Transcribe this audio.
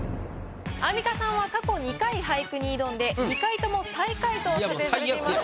アンミカさんは過去２回俳句に挑んで２回とも最下位と査定されています。